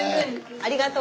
ありがとう！